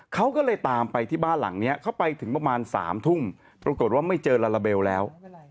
เขาก็เลยตามไปที่บ้านหลังนี้เขาไปถึงประมาณ๓ทุ่มปรากฏว่าไม่เจอลาลาเบลแล้ว